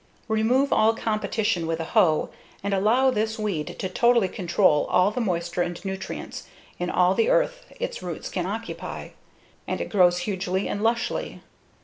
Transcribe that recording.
Remove all competition with a hoe, and allow this weed to totally control all the moisture and nutrients in all the earth its roots can occupy, and it grows hugely and lushly.